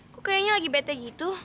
kok kayaknya lagi bete gitu